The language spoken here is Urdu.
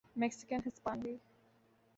میکسیکن ہسپانوی